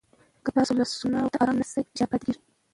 که تاسو له سونا وروسته ارام نه شئ، فشار پاتې کېږي.